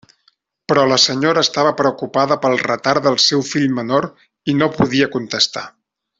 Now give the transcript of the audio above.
Però la senyora estava preocupada pel retard del seu fill menor i no podia contestar.